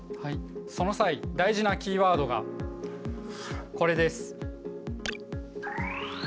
その際大事なキーワードがこれです。